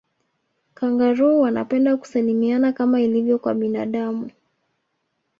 kangaroo wanapenda kusalimiana kama ilivyo kwa binadamu